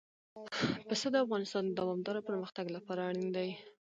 پسه د افغانستان د دوامداره پرمختګ لپاره اړین دي.